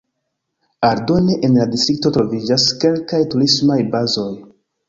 Aldone en la distrikto troviĝas kelkaj turismaj bazoj.